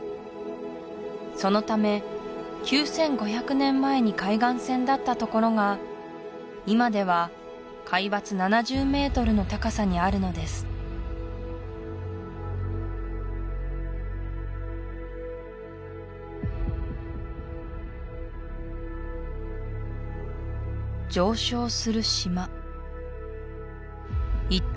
そのため９５００年前に海岸線だったところが今では海抜７０メートルの高さにあるのです上昇する島一体